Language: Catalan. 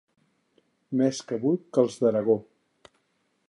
Més cabut que els d'Aragó.